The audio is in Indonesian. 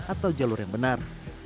atau jalur yang benar